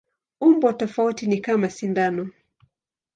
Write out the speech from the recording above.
Umbo tofauti ni kama sindano.